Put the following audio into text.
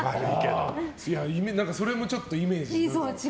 それもちょっとイメージと。